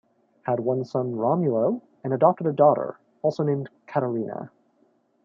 Had one son Romulo, and adopted a daughter, also named Catarina.